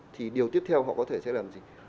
thì điều tiếp theo họ có thể sẽ làm gì